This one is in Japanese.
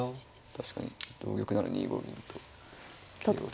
確かに同玉なら２五銀と桂を取って。